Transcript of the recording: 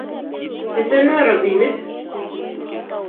pesenwo robinik